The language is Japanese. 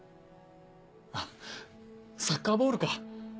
あっサッカーボールか。